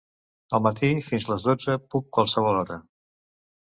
Al matí fins les dotze puc qualsevol hora.